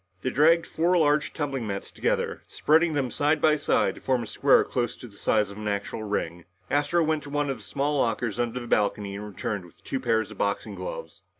They dragged four large tumbling mats together, spreading them side by side to form a square close to the size of an actual ring. Astro went to one of the small lockers under the balcony and returned with two pairs of boxing gloves.